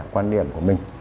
quan điểm của mình